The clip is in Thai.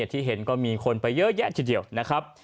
ที่เห็นก็มีคนไปเยอะแยะทีเดียวนะครับ